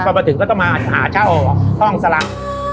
ภาพตรวจถึงก็ต้องมาหาเช่าออกห้องสาร์่าม